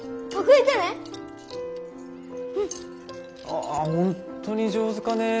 ああ本当に上手かねぇ。